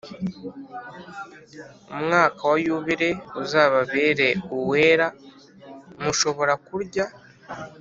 Umwaka wa yubile uzababere uwera mushobora kurya